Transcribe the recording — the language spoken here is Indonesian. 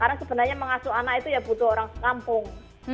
karena sebenarnya mengasuh anak itu ya butuh orang sekampung